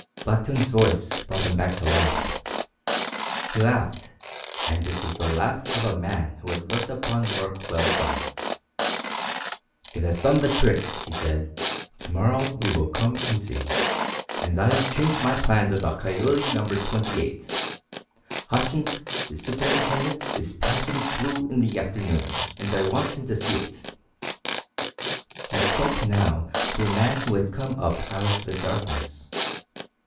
Blackton's voice brought them back to life. He laughed, and it was the laugh of a man who had looked upon work well done. "It has done the trick," he said. "To morrow we will come and see. And I have changed my plans about Coyote Number Twenty eight. Hutchins, the superintendent, is passing through in the afternoon, and I want him to see it." He spoke now to a man who had come up out of the darkness.